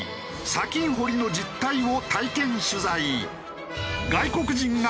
砂金掘りの実態を体験取材。